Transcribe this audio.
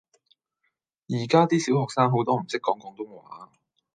而家 D 小學生好多唔識講廣東話